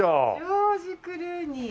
ジョージ・クルーニー。